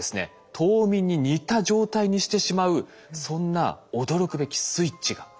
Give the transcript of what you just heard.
冬眠に似た状態にしてしまうそんな驚くべきスイッチがあったんです。